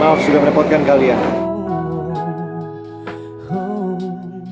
maaf sudah merepotkan kalian